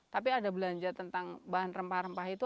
tapi ada belanja tentang bahan rempah rempah itu